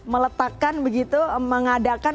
meletakkan begitu mengadakan